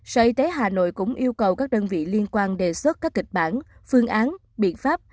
sở y tế hà nội cũng yêu cầu các đơn vị liên quan đề xuất các kịch bản phương án biện pháp